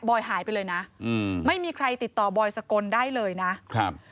หายไปเลยนะอืมไม่มีใครติดต่อบอยสกลได้เลยนะครับ